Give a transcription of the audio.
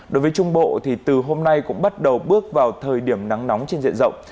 đối với trung bộ thì từ hôm nay cũng bắt đầu bước vào thời điểm nắng nóng trên diện rộng